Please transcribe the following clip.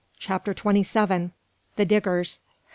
CHAPTER TWENTY SEVEN. THE DIGGERS.